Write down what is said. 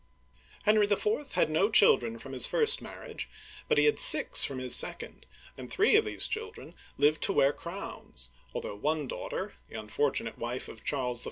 Henry IV. had no children from his first marriage, but he had six from his second, and three of these children lived to wear crowns, although one daughter — the unfor tunate wife of Charles I.